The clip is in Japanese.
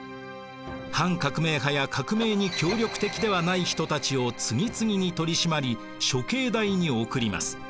反革命派や革命に協力的ではない人たちを次々に取り締まり処刑台に送ります。